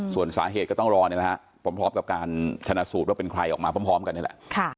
ส่วนสาเหตุก็ต้องรอพร้อมกับการชนะสูตรว่าเป็นใครออกมาพร้อมกันนี่แหละ